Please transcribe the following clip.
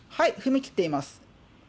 踏み切っています。